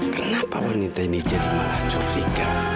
kenapa wanita ini jadi malah curiga